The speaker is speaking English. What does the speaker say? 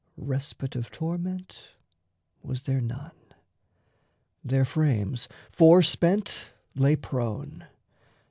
Respite of torment was there none. Their frames Forspent lay prone.